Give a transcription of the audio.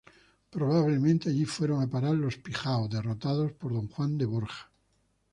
Probablemente allí fueron a parar Los Pijao, derrotados por don Juan de Borja.